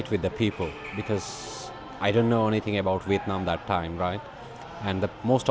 tôi đã thử phép truyền thông với những người vì tôi không biết gì về việt nam lần đó